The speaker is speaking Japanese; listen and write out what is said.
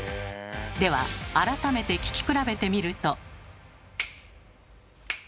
では改めて聴き比べてみると。